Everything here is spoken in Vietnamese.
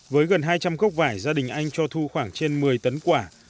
với gần hai trăm linh gốc vải gia đình anh cho thu khoảng trên một mươi tấn quả